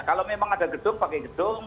kalau memang ada gedung pakai gedung